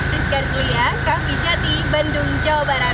rizky arisulia kampi jati bandung jawa barat